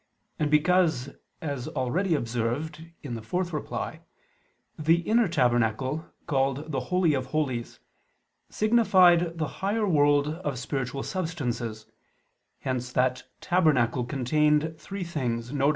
And because, as already observed (ad 4), the inner tabernacle, called the Holy of Holies, signified the higher world of spiritual substances, hence that tabernacle contained three things, viz.